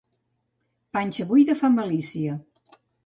Panxa buida fa malícia.